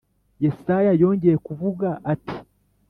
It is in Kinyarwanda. Yesaya yongeye kuvuga ati